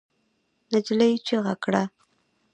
نجلۍ چيغه کړه.